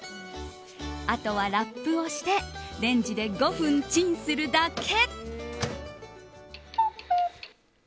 あとはラップをしてレンジで５分チンするだけ。